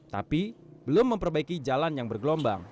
tapi belum memperbaiki jalan yang bergelombang